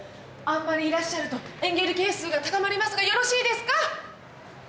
あんまりいらっしゃるとエンゲル係数が高まりますがよろしいですか？